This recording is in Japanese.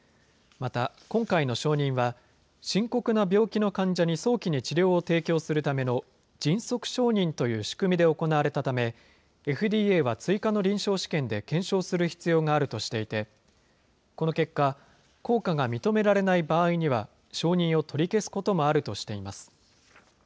また今回の承認は、深刻な病気の患者に早期に治療を提供するための迅速承認という仕組みで行われたため、ＦＤＡは追加の臨床試験で検証する必要があるとしていて、この結果、効果が認められない場合には承認を取り消すこともあるとしています。